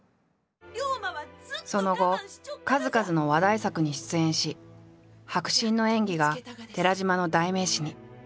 その後数々の話題作に出演し迫真の演技が寺島の代名詞に。